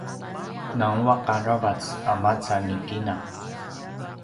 nguaq aravac a maca ni kina